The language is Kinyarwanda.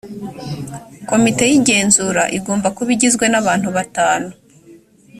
komite y’igenzura igomba kuba igizwe n abantu batanu